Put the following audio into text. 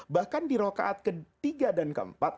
bahkan di rokaat ketiga dan keempat